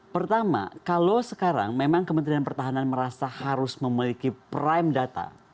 pertama kalau sekarang memang kementerian pertahanan merasa harus memiliki prime data